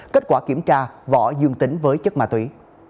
kết quả kiểm tra vỏ dương tính với chất ma túy